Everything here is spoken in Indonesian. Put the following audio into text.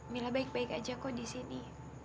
mila baik baik aja kok disini